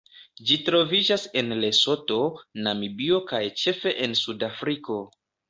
Ĝi troviĝas en Lesoto, Namibio kaj ĉefe en Sudafriko.